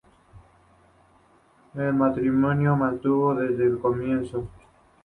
El matrimonio tuvo problemas desde el comienzo.